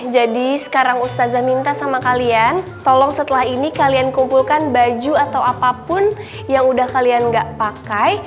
jadi sekarang ustazah minta sama kalian tolong setelah ini kalian kumpulkan baju atau apapun yang udah kalian gak pakai